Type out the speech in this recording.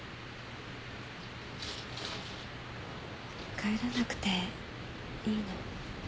帰らなくていいの？